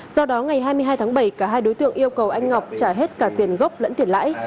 do đó ngày hai mươi hai tháng bảy cả hai đối tượng yêu cầu anh ngọc trả hết cả tiền gốc lẫn tiền lãi